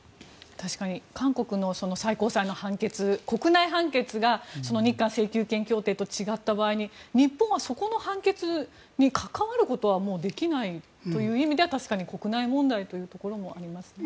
確かに韓国の最高裁の判決国内判決が日韓請求権協定と違った場合に日本はそこの判決に関わることはもうできないという意味では確かに国内問題というところもありますね。